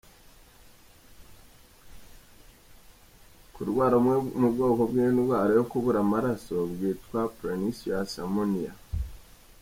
Kurwara bumwe mu kwoko bw’indwara yo kubura amaraso bwitwa Pernicious amemia;.